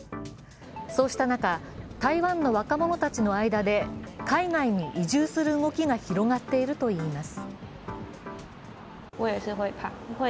そうした中、台湾の若者たちの間で海外に移住する動きが広がっているといいます。